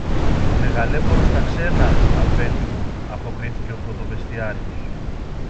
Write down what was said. Μεγαλέμπορος στα ξένα, Αφέντη μου, αποκρίθηκε ο πρωτοβεστιάριος.